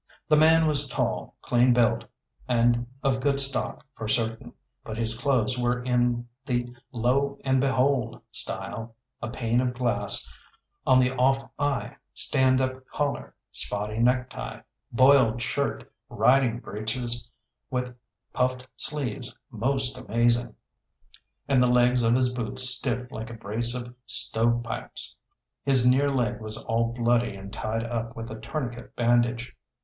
The man was tall, clean built, and of good stock for certain, but his clothes were in the lo and behold style a pane of glass on the off eye, stand up collar, spotty necktie, boiled shirt, riding breeches with puffed sleeves most amazing, and the legs of his boots stiff like a brace of stove pipes. His near leg was all bloody and tied up with a tourniquet bandage.